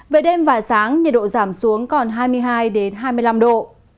về đêm và sáng nhiệt độ giảm xuống còn hai mươi hai hai mươi năm độ